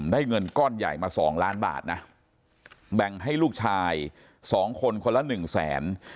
ได้เงินก้อนใหญ่มา๒ล้านบาทนะแบ่งให้ลูกชาย๒คนคนละ๑แสน